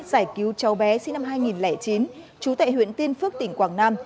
giải cứu cháu bé sinh năm hai nghìn chín chú tại huyện tiên phước tỉnh quảng nam